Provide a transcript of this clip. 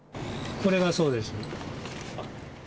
これがそうです。